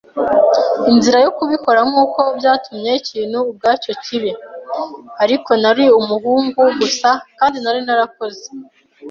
inzira yo kubikora nkuko byatumye ikintu ubwacyo kibi. Ariko nari umuhungu gusa, kandi nari narakoze